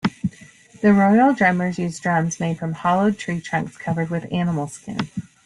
The Royal Drummers use drums made from hollowed tree trunks covered with animal skins.